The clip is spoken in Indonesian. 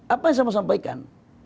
apa yang saya mau sampaikan